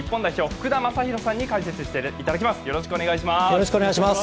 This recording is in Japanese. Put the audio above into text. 福田正博さんに解説していただきます。